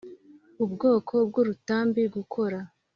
ubwoko bw urutambi gukora